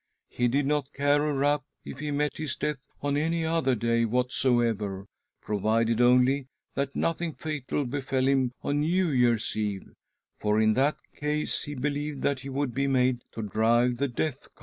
He did not care a rap if he met his death on any other day whatsoever, provided only that nothing fatal befell him on New Year's Eve, for in that case he believed that he would be made to drive the death cart."